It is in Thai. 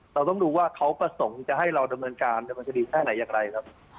เราต้องดูว่าเขาประสงค์จะให้เราดำเนินการดำเนินคดีแค่ไหนอย่างไรครับ